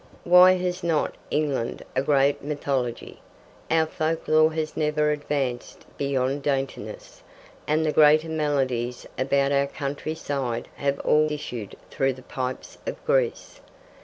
Why has not England a great mythology? Our folklore has never advanced beyond daintiness, and the greater melodies about our country side have all issued through the pipes of Greece.